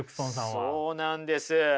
そうなんです。